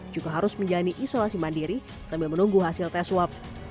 juga harus menjalani isolasi mandiri sambil menunggu hasil tes swab